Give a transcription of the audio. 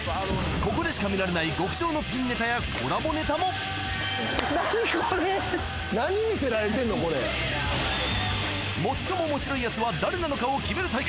ここでしか見られない極上のピンネタやコラボネタも何これ最も面白いやつは誰なのかを決める